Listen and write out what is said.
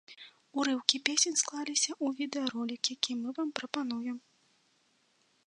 Урыўкі песень склаліся ў відэаролік, які мы вам прапануем.